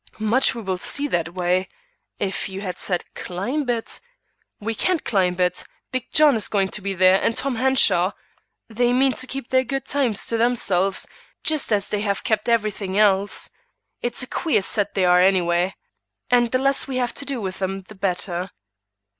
"Much we will see that way. If you had said climb it " "We can't climb it. Big John is going to be there and Tom Henshaw. They mean to keep their good times to themselves, just as they have kept every thing else. It's a queer set they are anyway, and the less we have to do with them the better."